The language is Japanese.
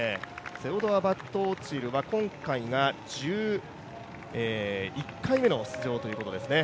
バトオチルは今回が１１回目の出場ということですね。